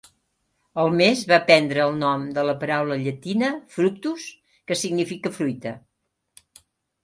El mes va prendre el nom de la paraula llatina "fructus", que significa "fruita".